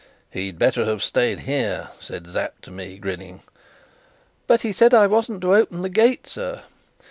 "He'd better have stayed here," said Sapt to me, grinning. "But he said I wasn't to open the gate, sir."